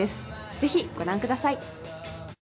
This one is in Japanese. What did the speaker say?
ぜひ、ご覧ください。